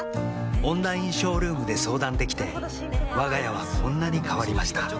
オンラインショールームで相談できてわが家はこんなに変わりました